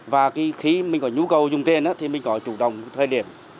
và khi mình có nhu cầu dùng tiền thì mình có chủ động thời điểm